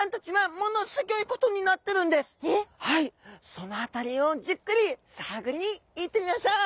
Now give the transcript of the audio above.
そのあたりをじっくり探りに行ってみましょう！